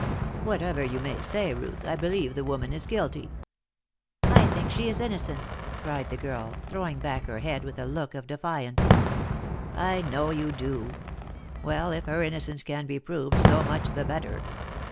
Whatever you may say, Ruth, I believe the woman is guilty." "I think she is innocent," cried the girl, throwing back her head with a look of defiance. "I know you do. Well, if her innocence can be proved so much the better.